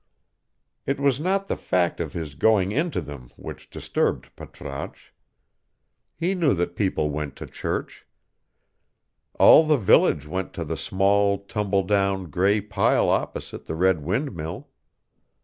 It was not the fact of his going into them which disturbed Patrasche: he knew that people went to church: all the village went to the small, tumbledown, gray pile opposite the red windmill.